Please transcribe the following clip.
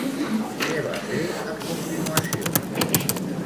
Què va fer a continuació?